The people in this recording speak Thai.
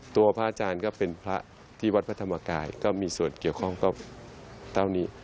พระอาจารย์ก็เป็นพระที่วัดพระธรรมกายก็มีส่วนเกี่ยวข้องกับเต้านี้